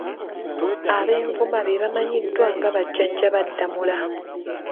Abenvuma be bamanyiddwa nga bajjajja ba Ddamula.